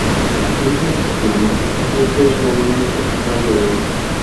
Matilde exclamó: "¡Este es realmente un valle de oro!